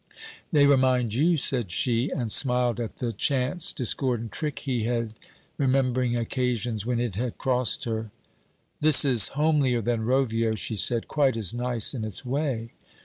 'They remind you,' said she, and smiled at the chance discordant trick he had, remembering occasions when it had crossed her. 'This is homelier than Rovio,' she said; 'quite as nice in its way.'